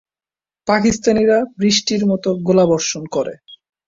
পাকিস্তানিরা বৃষ্টির মতো গোলাবর্ষণ করে।